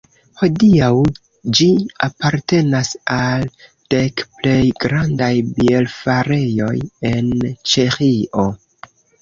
Hodiaŭ ĝi apartenas al dek plej grandaj bierfarejoj en Ĉeĥio.